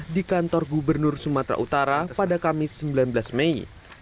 di kantor gubernur sumatera utara pada kamis sembilan belas mei